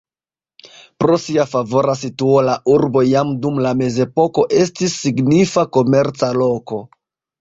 Pro sia favora situo la urbo jam dum la mezepoko estis signifa komerca loko.